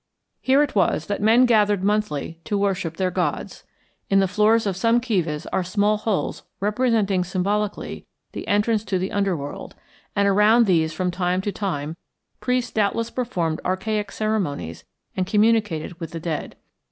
Here it was that men gathered monthly to worship their gods. In the floors of some kivas are small holes representing symbolically the entrance to the underworld, and around these from time to time priests doubtless performed archaic ceremonies and communicated with the dead.